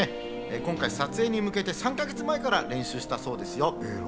今回、撮影に向けて３か月前から練習したそうですよ。